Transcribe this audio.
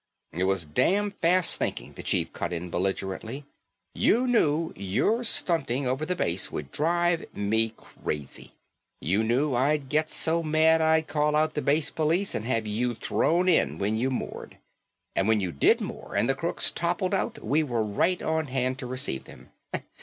"It was damn fast thinking," the chief cut in belligerently, "you knew your stunting over the base would drive me crazy. You knew I'd get so mad I'd call out the base police and have you thrown in when you moored. And when you did moor and the crooks toppled out we were right on hand to receive them.